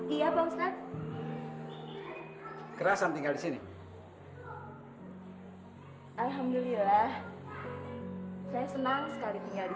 iya bang snap kerasan tinggal di sini alhamdulillah saya senang sekali tinggal di